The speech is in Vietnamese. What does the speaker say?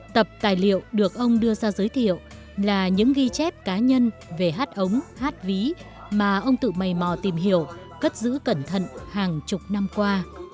tập tài liệu được ông đưa ra giới thiệu là những ghi chép cá nhân về hát ống hát ví mà ông tự mầy mò tìm hiểu cất giữ cẩn thận hàng chục năm qua